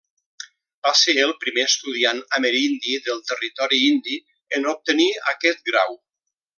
Va ser el primer estudiant amerindi del Territori Indi en obtenir aquest grau.